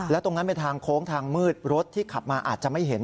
และตรงนั้นเป็นทางโค้งทางมืดรถที่ขับมาอาจจะไม่เห็น